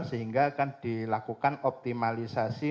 sehingga akan dilakukan optimalisasi